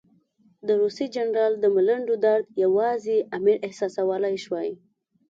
د روسي جنرال د ملنډو درد یوازې امیر احساسولای شوای.